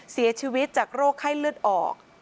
เสียชีวิตจากโรคไข้เลือดออก